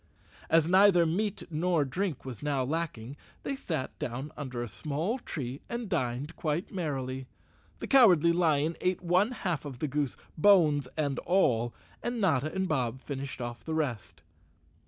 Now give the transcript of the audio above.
As neither meat nor drink was now lacking, they sat down under a small tree and dined quite merrily. The Cowardly Lion ate one half the goose, bones and all, and Notta and Bob finished off the rest.